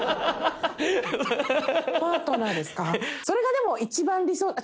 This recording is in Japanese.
それがでも、一番理想。